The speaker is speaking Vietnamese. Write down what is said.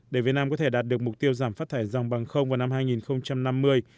để việt nam có thể đạt được mục tiêu giảm phát thải dòng bằng vào năm hai nghìn năm mươi